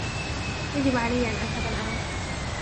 يجب علي أن أذهب الأن.